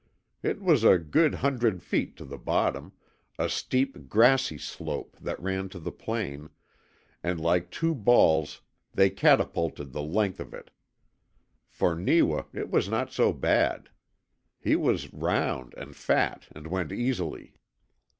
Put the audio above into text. It was a good hundred feet to the bottom a steep, grassy slope that ran to the plain and like two balls they catapulted the length of it. For Neewa it was not so bad. He was round and fat, and went easily.